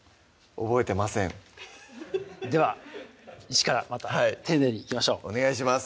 覚えてませんでは一からまた丁寧にいきましょうお願いします